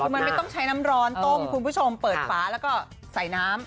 คือมันไม่ต้องใช้น้ำร้อนต้มคุณผู้ชมเปิดฝาแล้วก็ใส่น้ำ